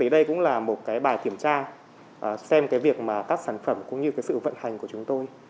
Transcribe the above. đây cũng là một bài kiểm tra xem việc các sản phẩm cũng như sự vận hành của chúng tôi